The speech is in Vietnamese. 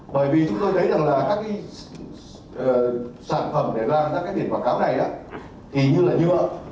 bởi vì chúng tôi thấy rằng là các sản phẩm để lan ra các biển quảng cáo này thì như là nhựa